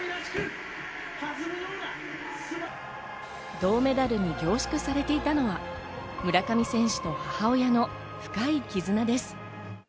銅メダルに凝縮されていたのは村上選手と母親の深いきずなです。